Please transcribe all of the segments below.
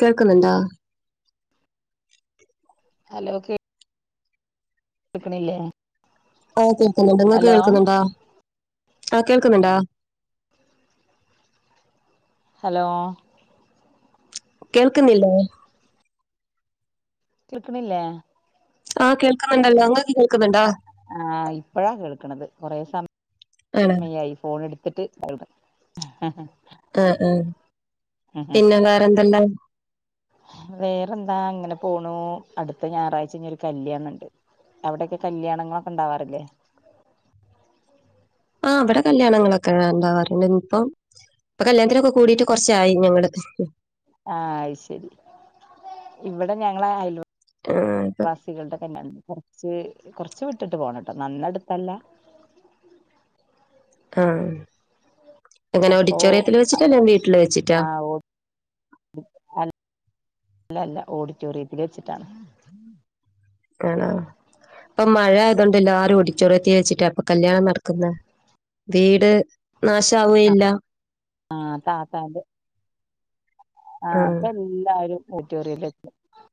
കേൾക്കുന്നുണ്ടോ? ഹലോ കേ ക്ക്ണില്ല ഓ കേൾക്കുന്നുണ്ട്. ഇങ്ങക്ക് കേൾക്കുന്നുണ്ടോ? ആ കേൾക്കുന്നുണ്ടോ? ഹലോ കേൾക്കുന്നില്ലേ? കേക്ക്ണില്ലേ ആഹ് കേൾക്കാന്നുണ്ടല്ലോ. ഇങ്ങക്ക് കേൾക്കുന്നുണ്ടോ? ആഹ് ഇപ്പഴാ കേൾക്ക്നത് കൊറേ സമ ആണോ സമയായി ഫോണ് എടുത്തിട്ട് കേൾ ഹ ഹ ആഹ് ആഹ് പിന്നെ വേറെന്തെല്ലാം? വേറെന്താ ഇങ്ങനെ പോണു. അടുത്ത ഞാറാഴ്ച ഞ്ഞി ഒരു കല്യാണണ്ട്. അവിടക്കെ കല്യാണങ്ങളൊക്കെണ്ടാവാറില്ലേ? ആ ഇവടെ കല്യാണങ്ങളൊക്കെണ്ടാവാറുണ്ട് ഇപ്പം ഇപ്പ കല്യാണത്തിനൊക്കെ കൂടിട്ട് കൊറച്ചായി ഞങ്ങള് ആഹ് അയ് ശെരി ഇവടെ ഞങ്ങള അയ് [unintelligible] കുട്ടികൾടെ [unintelligible] കൊറച്ച് കൊറച്ച് വിട്ടിട്ട് പോണംട്ടോ നന്നടുത്തല്ല ആഹ് എങ്ങനെ അപ്പൊ ഓഡിറ്റോറിയത്തില് വെച്ചിട്ടാ അല്ലേ വീട്ടില് വെച്ചിട്ടാ ആഹ് ഓ അല്ല അല്ല ഓഡിറ്റോറിയത്തില് വെച്ചിട്ടാണ് ആണോ ഇപ്പം മഴ ആയതോണ്ടല്ലരും ഓടിറ്റോറിയത്തി വെച്ചിട്ടാ ഇപ്പ കല്യാണം നടക്കുന്നെ വീട് നാശവേ ഇല്ല ആഹ് താത്താണ്ട് ആഹ് ആ അപ്പേല്ലാരും ഓഡിറ്റോറിയലെ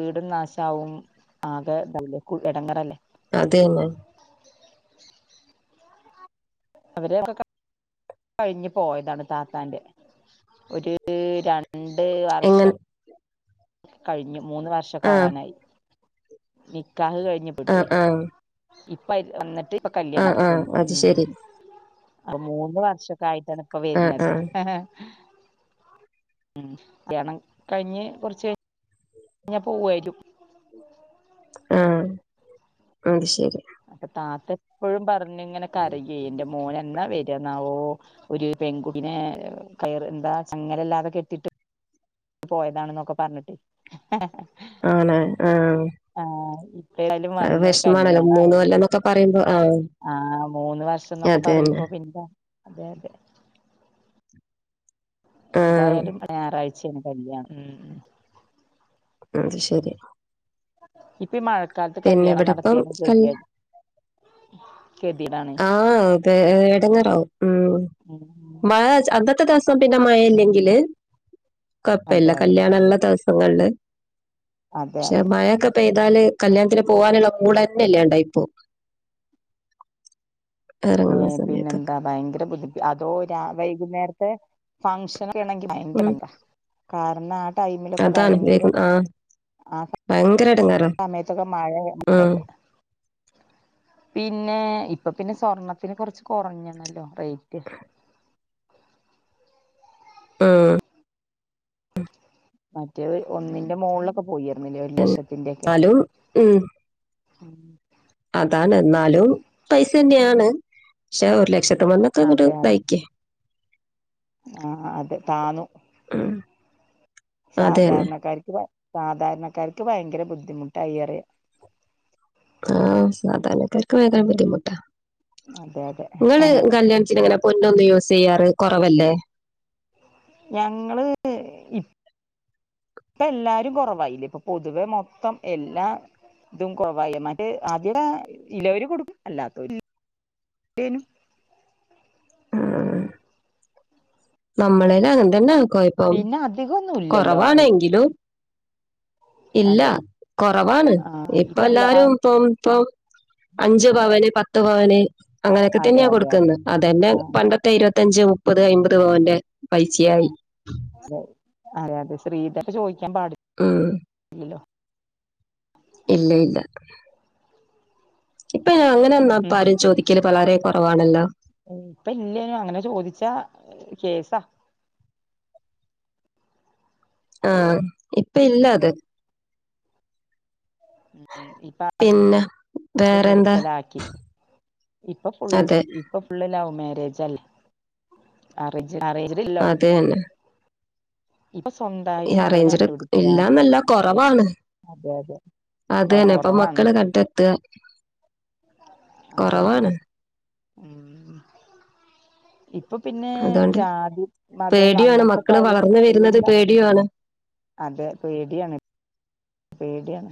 വീടും നാശാവും ആകെ [unintelligible] ഇടങ്ങേറല്ലേ അതേന്നെ അവരൊ [unintelligible] കഴിഞ്ഞ് പോയതാണ് താത്താന്റെ ഒര് രണ്ട് ണ്ട് എങ്ങനെ വർഷം കഴിഞ്ഞു മൂന്ന് ആ വർഷക്കാവാനായി നിക്കാഹ് കഴിഞ്ഞു ആ ആ [unintelligible] ഇപ്പ ന്നിട്ട് ഇപ്പോ ആ കല്യാണ ആ നടത്ത്ന്ന് അത് ഉം ശരി ആഹ് മൂന്ന് വർഷക്കയിട്ടാണ് ഇപ്പ ആ വെര്ന്നത് ആ ഉം ല്ല്യണം കഴിഞ്ഞ് കൊറച്ച് ക ഞാ പോവാരിക്കും ആഹ് അത് ശെരി അപ്പോ താത്തപ്പഴും പറഞ്ഞിങ്ങനെ കരയെ എന്റെ മോനെന്നാ വര് ന്നാവോ ഒരു പെൺകുട്ടിനെ കയറ് എന്താ ചങ്ങലല്ലാതക്കെട്ടിട്ട് പോയതാണെന്നൊക്കെ പറഞ്ഞ്ട്ട് ആണോ ആഹ് ആഹ് ഇപ്പേതായാലും ആഹ് വന്നു വിഷ്മാണല്ല കല്യാണായി മൂന്നുകൊല്ലന്നൊക്കെ പറയുമ്പോ ആഹ് ആഹ് മൂന്ന് വർഷന്നൊക്കെ അത് തന്നെ പറയുമ്പോ പിന്നെ അതെ അതെ ആഹ് എന്തായാലും ഞായറാഴ്ചേണ് കല്യാണം ഉം ഉം അത് ശെരി ഇപ്പ ഈ മഴക്കാലത്ത് പിന്നെ കല്യാണം ഇവിടെപ്പം നടത്തിയാലും കല് ഗതിയട് ഗതിടാണ് ആഹ് അതെ എടങ്ങേറാവും ഉം ഉം മഴ അ ടുത്ത ദിവസം പിന്നെ മഴല്ലെങ്കില് അതെ കൊപ്പല്യ അതെ കല്യാണള്ള ദിവസങ്ങളില് അതെ പഷേ അതെ മഴയൊക്കെ പെയ്താല് കല്യാണത്തിന് പോവാനുള്ള മൂടെന്നെയല്ലണ്ടായിപ്പോം എറങ്ങുന്ന ഏഹ് സമയത്തൊക്കെ പിന്നെന്താ ഭയങ്കര ബുദ്ധി അതോ രാ വൈകുന്നേരത്തെ ഫംഗഷനെക്കെയാണെങ്കി ഉം [unintelligible] കാരണം ടൈമിലൊക്കെ അതാണ് ഭയങ്കര വേഗം ആഹ് ആ ഭയങ്കര എടങ്ങേറാ സമയത്തൊക്കെ മഴ ഉം അതെതെ പിന്നെ ഇപ്പോ പിന്നെ സ്വർണത്തിന് കൊറച്ച് കൊറഞ്ഞണല്ലോ റേറ്റ് ഉം മറ്റേത് ഒന്നിന്റെ മോളിലൊക്കെ പോയരുന്നില്ലേ ഒരു ലക്ഷത്തിന്റെക്കെ എന്നാലും ഉം ഉം അതാണ് എന്നാലും പൈസന്നെയാണ് പഷേ ഒരു ലക്ഷത്തുമെന്ന് എക്കെ അങ്ങോട്ട് ഇതാക്ക്യേ ആഹ് അതെ താന്നു ഉം അതന്നെ സാധാരണക്കാരിക്ക് സാധാരണക്കാരിക്ക് ഭയങ്കര ബുദ്ധിമുട്ടായിറയാ ആഹ് സാധാരണക്കാർക്ക് ഭയങ്കര ബുദ്ധിമുട്ടാ അതെ അതെ ഇങ്ങള് കല്യാ ത്തിന് ഇങ്ങനെ പൊന്നൊന്നും യൂസ് ചെയ്യാറ് കൊറവല്ലേ ഞങ്ങള് ഇ പ്പേല്ലാരും കൊറവായില്ലേ ഇപ്പോ പൊതുവെ മൊത്തം എല്ലാ ഇതും കൊറവയ് മറ്റേ ആദ്യ ഇല്ലവര് കൊടുക്കും അല്ലാത്തവര് [unintelligible] ആഹ് നമ്മളേല അങ്ങെൻ തന്നെ കോയപ്പം പിന്നെ അധികം ഒന്നും ഇല്ലല്ലോ കൊറവാണെങ്കിലും. ഇല്ല അതെ കുറവാണ് ഇപ്പ എല്ലാരും ഇപ്പം ഇപ്പം അഞ്ച് പവന് പത്ത് പവന് അങ്ങനെക്കെ അതെ തന്നെയാ അതെ കൊടുക്കുന്നെ അതന്നെ ആ പണ്ട ത്തെ ഇരുപത്തഞ്ച്, മുപ്പത്, അയ്മ്പത് പവന്റെ പൈസയായി അതെ അതെ അതെ ശ്രീധനം ചോദിക്കാൻ പാടി മ്മ് ഇല്ല്ലോ ഇല്ല ഇല്ല ഇപ്പ അങ്ങനെന്നാപ്പ ആരും ചോദിക്കല് വളരെ കുറവാണല്ലോ ഏ ഇപ്പ ഇല്ലലോ അങ്ങനെ ചോദിച്ചാ കേസാ ആ ഇപ്പി ഇല്ല അത് മു മു ഉം [unintelligible] പിന്നെ അത് വേറെന്താ നിർത്തലാക്കി ഇപ്പ ഫുള്ള് അതെ ഇപ്പ ഫുൾ ലവ്മാരേജ് ആല്ലേ അറേഞ്ച് അറേഞ്ച് അത് തന്നെ ഇപ്പൊ ഈ സ്വന്തമായിട്ട് മക്കള് അറേഞ്ചിട് കണ്ടുപിടിക്കുക ഇല്ലാന്നല്ല അതെ കൊറവാണ് അതെ കുറവാണ് അതന്നെ ഇപ്പൊ കുറവാണ് മക്കള് കണ്ടെത്തുക അതെ കുറവാണ് ഉം ഇപ്പൊ പിന്നെ അതുകൊണ്ട് ജാതി മതം പേടിയാണ് അങ്ങനത്തെ മക്കള് കാര്യങ്ങൾ വളർന്നു വരുന്നത് എല്ലാം പേടിയാണ് അതെ പേടിയാണ് പേടിയാണ്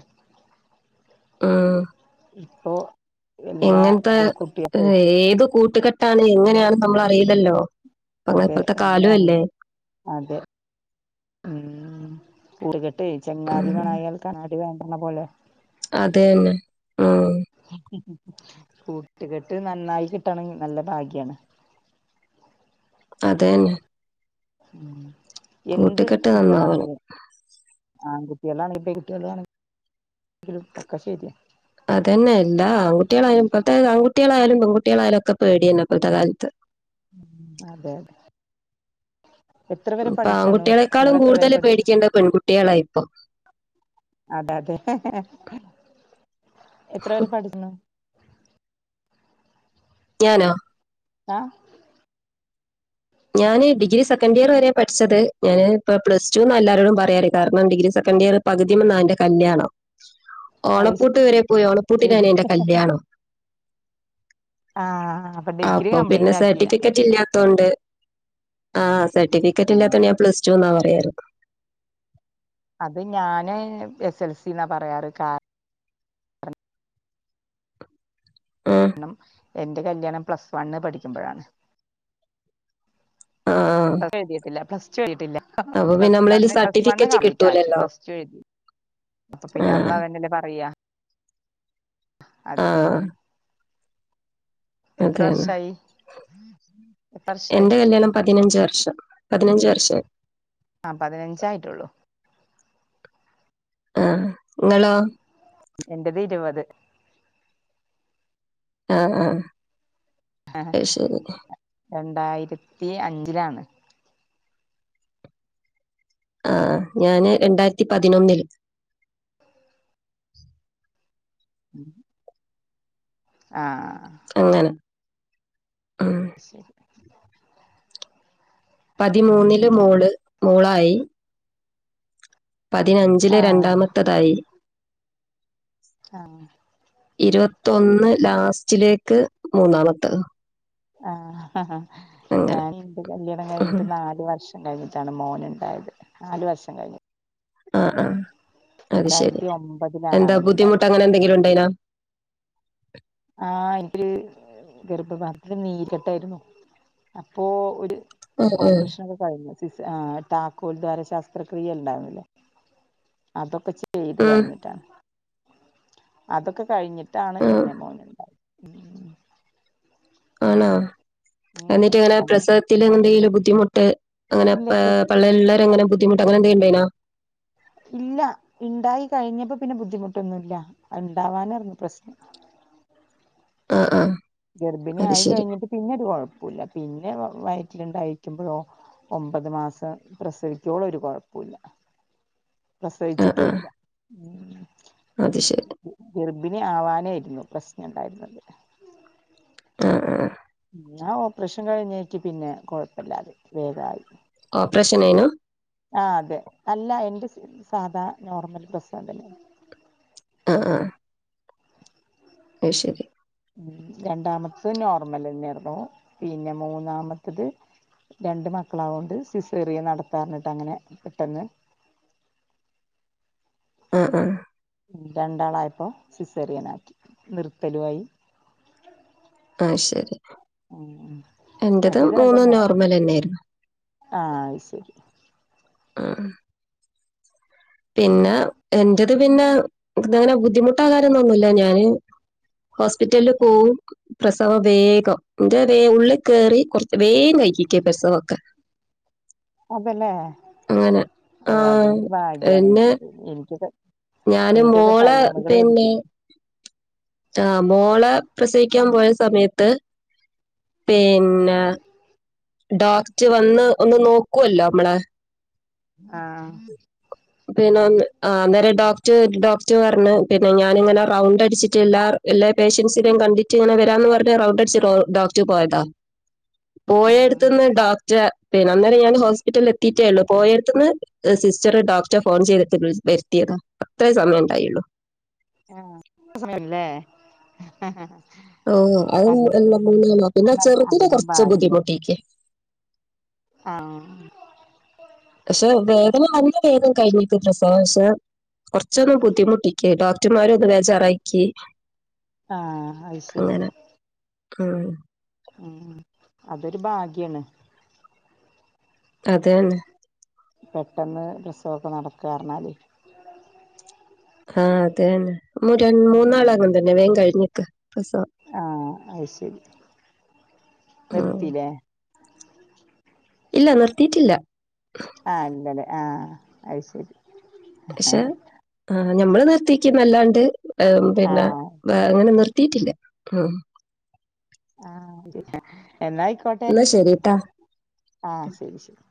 ആഹ് ഇപ്പോ എങ്ങനത്തെ ഏത് കൂട്ടുകെട്ടാണ് എങ്ങനെയാണ് നമ്മള് അറിലല്ലോ അങ്ങന അതെ ഇപ്പത്തെ എല്ലാം കാലോ അല്ലേ അറിയില്ല അതെ ഉം കൂട്ടുകെട്ടെ ഉം ചെങ്ങാതികാളായാൽ കണ്ണാടി വേണ്ടന്ന പോലെ അതന്നെ ഉം കൂട്ടുകെട്ട് നന്നായി കിട്ടണെങ്കി നല്ല ഭാഗ്യാണ് ആത് തന്നെ ഉം എന്ത് കൂട്ടുകെട്ട് നന്നാവണം കുട്ടികളാണെങ്കിലും ആൺകുട്ടികളാണെ പെൺകുട്ടികളാണെങ്കിലും ഒകെ ശരിയാ അതന്നെ എല്ല ആൺകുട്ടിളായാലു ഇപ്പോഴത്തെ ആൺകുട്ടികളായാ പെൺകുട്ടികളായാലും ഒക്കെ പേടിയന്നെ ഇപ്പത്തെ കാലത്ത് ഉം അതെ അതെ എത്ര വരെ ഇപ്പൊ പഠിച്ചണോ ആൺകുട്ടികളെക്കാളും നിങ്ങള് എത്ര വരെ കൂടുതൽ പഠിച്ച് പേടിക്കേണ്ടത് പെൺകുട്ടികളായി ഇപ്പൊ അതെ അതെ എത്ര വരെ പഠിച്ച്ണു ഞാനോ ആഹ് ഞാന് ഡിഗ്രി സെക്കൻഡ് ഇയർ വരെ പഠിച്ചത് ഞാന് ഇപ്പോ പ്ലസ്ടുന്ന എല്ലാരോടും പറയാറ് കാരണം ഡിഗ്രി സെക്കന്റ് ഇയറ് പകുതിമ്ന്നാ എന്റെ കല്യാണം അത് ഓണപ്പുട്ട് വരെ പോയി ശരി ഓണപ്പുട്ടിനാനെ എന്റെ കല്യാണം. ആ ഡിഗ്രി അപ്പൊ പിന്നെ കംപ്ലീറ്റ് ആക്കിയില്ല സർട്ടിഫിക്കറ്റ് ഇല്ലാത്തോണ്ട് ആഹ് സട്ടിഫിക്കറ്റ് ആ ഇല്ലാത്തോണ്ട് ഞാൻ പ്ലസ്ടുന്നാ പറയാറ്. അത് ഞാന് എസ്. എൽ. സിന്നാ പറയാറ് കാ ആ രണം എന്റെ കല്യാണം പ്ലസ്സ് വണ്ണ് പഠിക്കുമ്പഴാണ്. ആ പ്ലസ് എഴിതിട്ടില്ല പ്ലസ് ടു എഴിതിട്ടില്ല. സാമ്മ് അപ്പൊ പിന്നെ പ്ലസ് നമ്മളതിൽ one plus one certificate complete ആക്കി കിട്ടൂലല്ലോ പ്ലസ് ടു എഴുതി ആ അപ്പപിന്നെ നമ്മൾ അതന്നെആല്ലേ പറയാ ആ അതെ. അത് എത്ര തന്നെ വർഷായി എത്ര വർഷായി എന്റെ കല്യാണം പതിനഞ്ച് വർഷം. പതിനഞ്ച് വർഷയി. ആ പതിനഞ്ച് ആയിടുള്ളു ആഹ് നിങ്ങളോ? എന്റേത് ഇരുപത്. ആഹ് ആഹ് ആഹ് രണ്ടായിരത്തി അഞ്ചിലാണ്. ആഹ് ഞാന് രണ്ടായിരത്തി പതിനൊന്നില് ഉം ആഹ് ആഹ് ആഹ് അങ്ങനെ. ആഹ് ശരി. പതിമൂന്നില് മോള് മോളായി. പതിനഞ്ചില് ആഹ് രണ്ടാമത്തതായി. ആഹ് ഇരുപത്തൊന്ന് ലാസ്റ്റിലേക്ക് മൂന്നാമത്തത്. ആഹ് അങ്ങനെ ഞാൻ എന്റെ കല്യാണം ഉം. കഴിഞ്ഞിട്ട് നാല് വർഷ കഴിഞ്ഞിട്ടാണ് മോൻ ഇണ്ടായത്. നാല് വർഷം കഴിഞ്ഞിട്ട്. ആ ആ രണ്ടായിരത്തി ഒമ്പതിലാണ് അവനുണ്ടായത്. അങ്ങനെന്തെങ്കിലുണ്ടേനോ? ആഹ് എനിക്ക് ഗർഭപാത്രത്തിൽ നീർ കട്ടായിരുന്നു അപ്പോ ഒര് ഉം ഉം ഓപ്പ്റഷന് സിസേ ആഹ് താക്കോൽ ദ്വാര ശസ്ത്രക്രിയ ഉണ്ടായിരുന്നല്ലേ? അതൊക്കെ ചെ ചെയ്ത് ഉം കഴിഞ്ഞിട്ടാണ് അതൊക്കെ കഴിഞ്ഞിട്ടാണ് ഉം. പിന്നെ മോന് ഉം ഉം ഉം ആണോ? ഉം എന്നിട്ട് ഇങ്ങനെ അങ്ങനെ പ്രസവത്തി എന്തെലും ബുദ്ധിമൂട്ട് അങ്ങനെ പ ഇല്ല പള്ളേല് ഇള്ള അങ്ങനെ ബുദ്ധിമൂട്ട് അങ്ങനെ എന്തേനു ഇണ്ടായീനോ? ഇല്ല ഇണ്ടായി കഴിഞ്ഞപ്പോ പിന്നെ ബുദ്ധിമുട്ടൊന്നുല്ല. അത് ഇ ണ്ടാവാനാർന്നുപ്രശ്നം. ആഹ് ആഹ് ഗർഭിണി ആയി കഴിഞ്ഞിട്ട് പിന്നെ ഒരു കൊഴ്പ്പുല്ല പിന്നെ വയറ്റിലുണ്ടായിരിക്കുമ്പഴോ ഒമ്പത് മാസം പ്രസവിക്കോളം ഒരു കൊഴ്പ്പുല്ല. ആ ആ പ്രസവിച്ചിട്ടും ഇല്ല ഉം അത് ശരി. ഗർഭിണി ആവാനായിർന്നു പ്രശ്നം ഇണ്ടായിർന്നത്. [inaudible] ആഹ് ആഹ് പിന്നെ ആ ഓപ്പറേഷൻ കഴിഞ്ഞേക്ക് പിന്നെ കൊഴപപ്പല്ലാതെ വേഗായി. ഓപ്പറേഷൻനേനു? ആഹ് അതെ അല്ല എന്റെ സി സാധാ നോർമൽ പ്രസവം തന്നെയാണ്. ആഹ് ആഹ് അത് ശരി ഉം രണ്ടാമത്തത് നോർമൽ തന്നെയായിരുന്നു. പിന്നെ മൂന്നാമത്തത് രണ്ട് മക്കളാവുകൊണ്ട് സിസേറിയ നടത്താർഞ്ഞിട്ട് അങ്ങനെ പെട്ടെന്ന് ആഹ് ആഹ് രണ്ടാളായപ്പോ സിസേറിയനാക്കി നിർത്തലും ആയി ആഹ് ശരി ഉം എന്റത് മറ്റേത് രണ്ടും മൂന്നും നോ നോർമൽ തന്നെയിർന്നു ആഹ് അയ് ശരി ആഹ് പിന്നെ എന്റത് പിന്നെ അങ്ങനെ ബുദ്ധിമുട്ടാകാരന്നൊന്നുല്ല ഞാന് ഹോസ്പിറ്റല്ല് പോകും പ്രസവം വേഗം എന്റെ വേ ഉള്ളിൽ കേറി കുറച്ച് വേഗം കഴിക്കിക്കേ പ്രസവൊക്കെ അതെല്ലേ അങ്ങനെ ഓ ആ അതിന്റെ ഭാ- ഗ്യണേ പിന്നെ എനിക്കൊക്കെ ഞാൻ എനിക്കൊക്കെ മോളെ ടൈമുകള് പിടിക്കും ആഹ് മോളെ പ്രസവിക്കാൻ പോയ സമയത്ത് ഉം പിന്നെ ഡോക്റ് വന്ന് ഒന്ന് നോക്കുവല്ലോ നമ്മളെ ആഹ് പിന്നെ അന്ന് ആഹ് അന്നേരെ ഡോക്ട് ഡോക്ട് പറ്ഞ്ഞ്. പിന്നെ ഞാനിങ്ങനെ റൗണ്ട് അടിച്ചിട്ട് എല്ലാ എല്ലാ പേഷ്യൻസിനേയു കണ്ടിട്ട് ഇങ്ങനെ വരാന്ന് പറഞ്ഞ റൗട്ട് അടിച്ച് ഡോക്ടറ് പോയതാ ആഹ് പോയേട്ത്ത്ന്ന് ഡോക്ട് പിന്നെ അന്നേരം ഞാൻ ഹോസ്പിറ്റല് ല് എത്തിട്ടേ ഒള്ളു പോയേട്ത്ത്ന്ന് ഒര് സിസ്റ്റർ ഡോക്ടെ ഫോൺ ചെയ്തിട്ട് വെരുത്തിയതാ. അത്രേ സമയം ഉണ്ടായൊള്ളു! ആഹ് അ സമയം ല്ലേ ഓഹ് അത് പിന്നെ [unintelligible] ചെറുത്തിന്റെ അതിനും കൊറ്ച്ച് ഭാഗ്യ ബുദ്ധിമുട്ടേക്ക് ആഹ് പക്ഷെ വേദന അയ്ഞ്ഞ വേദം കയ്ഞ്ഞി ട്ട് പ്രസവരെക്ഷ കൊറ്ച്ചൊന്ന് ബുദ്ധിമുട്ടിക്ക് ഡോക്ടർമാരെ ഒന്ന് ബേജാറാക്കി ആഹ് അത് ശരി അങ്ങനെ ഉം. ഉം.. അതൊരു ഭാഗ്യാണ് അതെന്നെ പെട്ടെന്ന് പ്രസവൊക്കെ നടക്കാറ്ന്നാലെ ആഹ് അതെന്നെ. ര മൂന്നാളു അങ്ങൻ തന്നെ വേം കഴിഞ്ഞിക്ക് പ്രസവം ആഹ് അത് ശരി ഉം. നിർത്തിലേ ഇല്ല നിർത്തീട്ടില്ല ആഹ് ഇല്ലലെ ആഹ് അത് ശെരി പക്ഷെ ആഹ് ഞമ്മള് നിർത്തിക്കുന്നല്ലാണ്ട് പിന്നെ- ആഹ് അങ്ങനെ നിർത്തീട്ടില്ല. ആഹ് അ [unintelligible] എന്നായി- എന്നാ ശരി ഇട്ടാ ആഹ് ശെരി ശെരി